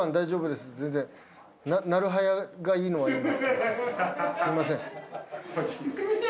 すみません。